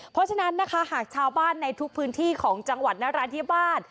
เพราะฉะนั้นนะคะหากชาวบ้านในทุกพื้นที่ของจังหวัดนราธิวาส